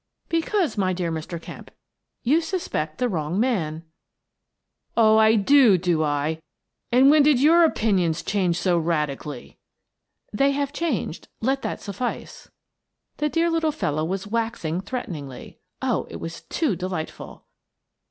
"" Because, my dear Mr. Kemp, you suspect the wrong man." " Oh, I do, do I ? And when did your opinions change so radically? " I Resign 149 " They have changed — let that suffice." The dear little fellow was waxing threatening. Oh, it was too delightful